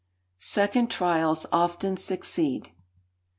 [SECOND TRIALS OFTEN SUCCEED.